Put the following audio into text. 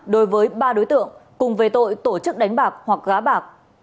đối với ba đối tượng cùng về tội tổ chức đánh bạc hoặc gá bạc